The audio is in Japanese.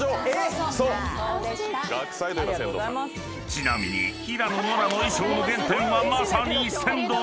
［ちなみに平野ノラの衣装の原点はまさに千堂さんだった］